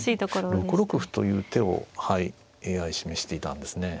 ６六歩という手をＡＩ示していたんですね。